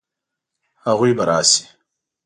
هغوی به راشي؟